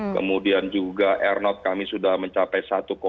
kemudian juga r not kami sudah mencapai satu enam